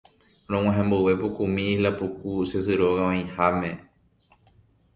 Rog̃uahẽ mboyve pukumi Isla puku che sy róga oĩháme